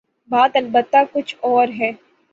بات البتہ کچھ اور ہے۔